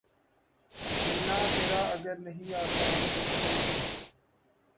ملنا تیرا اگر نہیں آساں‘ تو سہل ہے